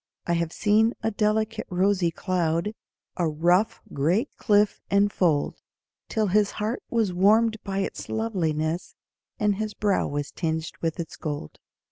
I have seen a delicate rosy cloud, A rough, gray cliff enfold, Till his heart was warmed by its loveliness, And his brow was tinged with its gold.